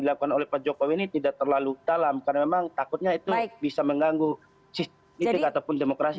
dilakukan oleh pak jokowi tidak terlalu talam takutnya itu bisa mengganggu jika ataupun demokrasi